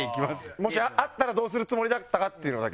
もしあったらどうするつもりだったかっていうのだけ。